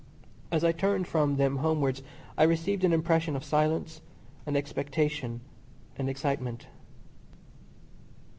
As I turned from them homewards I received an impression of silence and expectation and excitement.